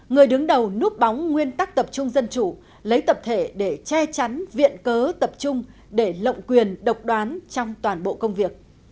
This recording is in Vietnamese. người đứng đầu núp bóng nguyên tắc tập trung dân chủ lấy tập thể để che chắn viện cớ tập trung để lộng quyền độc đoán trong toàn bộ công việc